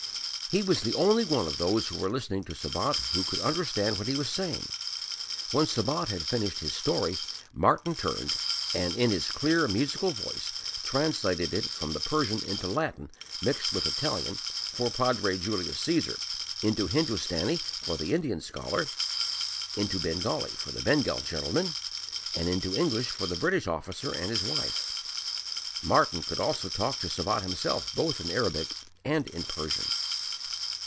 He was the only one of those who were listening to Sabat who could understand what he was saying. When Sabat had finished his story, Martyn turned, and, in his clear, musical voice translated it from the Persian into Latin mixed with Italian for Padre Julius Cæsar, into Hindustani for the Indian scholar, into Bengali for the Bengal gentleman, and into English for the British officer and his wife. Martyn could also talk to Sabat himself both in Arabic and in Persian.